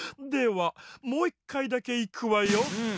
ではもういっかいだけいくわよ。